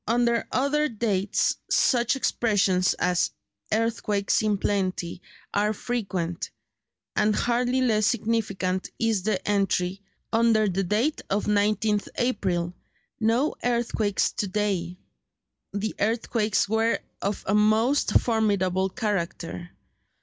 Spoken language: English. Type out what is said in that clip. Under other dates such expressions as "Earthquakes in plenty" are frequent; and hardly less significant is the entry, under the date of 19th April, "No earthquakes to day." The earthquakes were of a most formidable character.